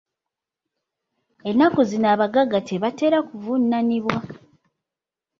Ennaku zino abagagga tebatera kuvunaanibwa.